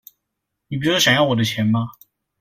你不就是想要我的錢嗎?